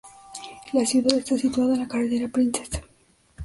La ciudad está situada en la Carretera Princes.